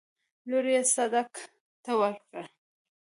لور يې صدک ته ورکړه.